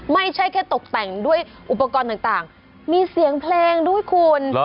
ไม่ใช่แค่ตกแต่งด้วยอุปกรณ์ต่างมีเสียงเพลงด้วยคุณ